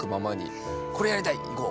これやりたい行こう！